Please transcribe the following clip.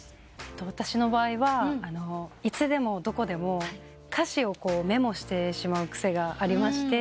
私の場合はいつでもどこでも歌詞をメモしてしまう癖がありまして。